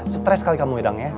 stres kali kamu ya dang ya